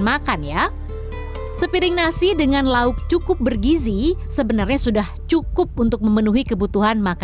makan ya sepiring nasi dengan lauk cukup bergizi sebenarnya sudah cukup untuk memenuhi kebutuhan makan